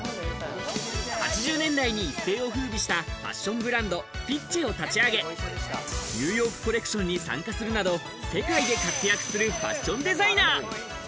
８０年代に一世を風靡したファッションブランドＦＩＣＣＥを立ち上げ、ニューヨークコレクションに参加するなど、世界で活躍するファッションデザイナー。